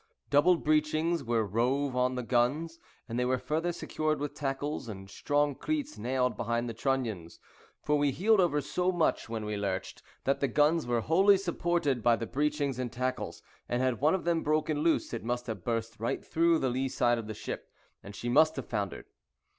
Double breechings were rove on the guns, and they were further secured with tackles; and strong cleats nailed behind the trunnions; for we heeled over so much when we lurched, that the guns were wholly supported by the breechings and tackles, and had one of them broken loose it must have burst right through the lee side of the ship, and she must have foundered.